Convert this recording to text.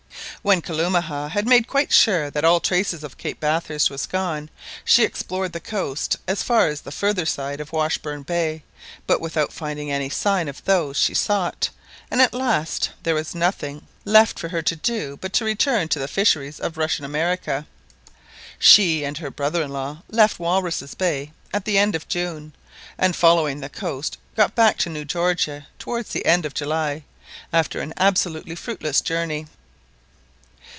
When Kalumah had made quite sure that all trace of Cape Bathurst was gone, she explored the coast as far as the further side of Washburn Bay, but without finding any sign of those she sought, and at last there was nothing left for her to do but to return to the fisheries of Russian America. She and her brother in law left Walruses' Bay at the end of June, and following the coast got back to New Georgia towards the end of July, after an absolutely fruitless journey.